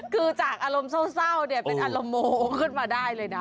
คือจากอารมณ์เศร้าเนี่ยเป็นอารมณ์โมขึ้นมาได้เลยนะ